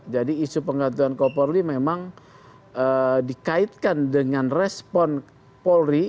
jadi isu penggantian kapolri memang dikaitkan dengan respon polri